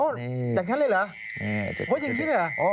อย่างนั้นเลยเหรอเดี๋ยว